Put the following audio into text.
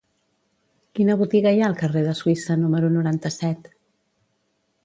Quina botiga hi ha al carrer de Suïssa número noranta-set?